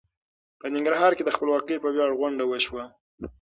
په ننګرهار کې د خپلواکۍ په وياړ غونډه وشوه.